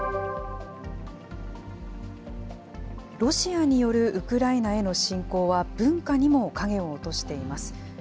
ロシアによるウクライナへの侵攻は文化にも影を落としています。